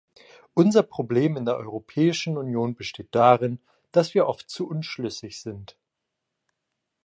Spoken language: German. Unser Problem in der Europäischen Union besteht darin, dass wir oft zu unschlüssig sind.